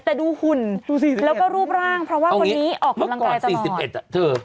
แต่ดูขุนแล้วก็รูปร่างเพราะว่าคนนี้ออกกำลังกายตลอด